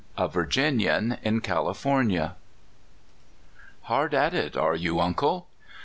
A VIRGINIAN IN CALIFOENIA. HARD at it, are you, uncle?"